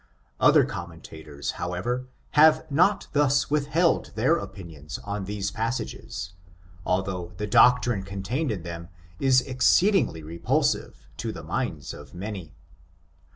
Other commentators, however, have not thus with held their opinions on these passages, although the doctrine contained in them is exceedingly repulsive to the minds of many.